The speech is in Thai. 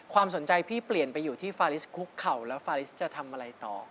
ความสนใจพี่เปลี่ยนไปอยู่ที่ฟาลิสคุกเข่าแล้วฟาลิสจะทำอะไรต่อ